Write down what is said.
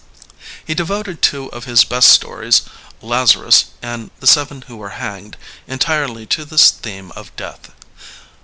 He devoted two of his best stories, Lazarus and The Seven Who Were Hanged, entirely to this theme of death.